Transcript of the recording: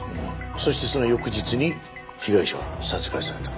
そしてその翌日に被害者は殺害された。